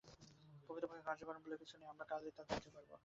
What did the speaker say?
প্রকৃতপক্ষে কার্য-কারণ বলে কিছু নেই, আর আমরা কালে তা জানতে পারব।